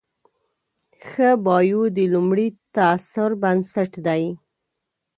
ښه بایو د لومړي تاثر بنسټ دی.